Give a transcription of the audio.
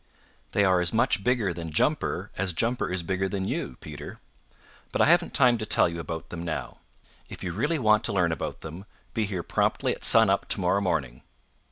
They are as much bigger than Jumper as Jumper is bigger than you, Peter. But I haven't time to tell you about them now. If you really want to learn about them, be here promptly at sun up to morrow morning.